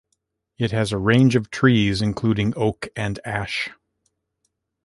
It has a range of trees including oak and ash.